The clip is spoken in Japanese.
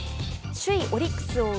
首位オリックスを追う